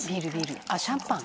「あっシャンパン」